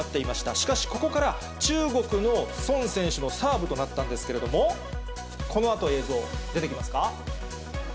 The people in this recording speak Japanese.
しかしここから、中国の孫選手のサーブとなったんですけれども、このあと、映像出てきますか。